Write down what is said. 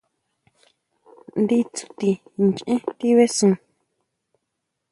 Ndí tsuti ʼnchee tibesun.